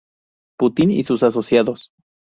Putin y sus asociados.